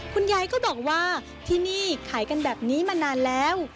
คุณยายก็บอกว่าที่นี่ขายกันแบบนี้มานานแล้ว